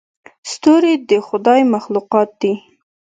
ستوري د خدای مخلوقات دي.